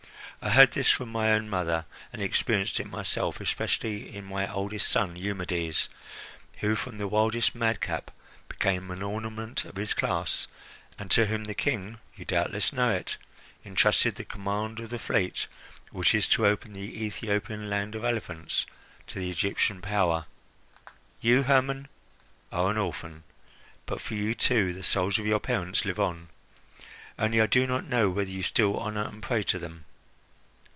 I heard this from my own mother, and experienced it myself, especially in my oldest son Eumedes, who from the wildest madcap became an ornament of his class, and to whom the King you doubtless know it intrusted the command of the fleet which is to open the Ethiopian land of elephants to the Egyptian power. You, Hermon, are an orphan, but for you, too, the souls of your parents live on. Only I do not know whether you still honour and pray to them."